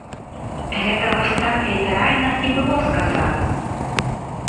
Гэта вось так літаральна і было сказана.